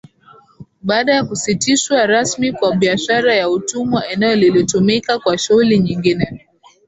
Baada ya kusitishwa rasmi kwa biashara ya utumwa eneo lilitumika kwa shughuli nyingine